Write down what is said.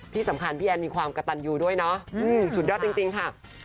ที่สำคัญพี่แอนมีความกระตันยูด้วยเนาะสุดยอดจริงค่ะ